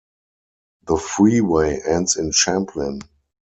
The freeway ends in Champlin.